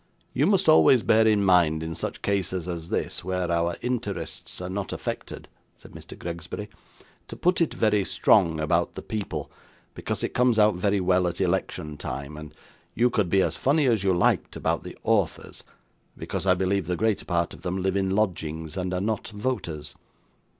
'You must always bear in mind, in such cases as this, where our interests are not affected,' said Mr. Gregsbury, 'to put it very strong about the people, because it comes out very well at election time; and you could be as funny as you liked about the authors; because I believe the greater part of them live in lodgings, and are not voters.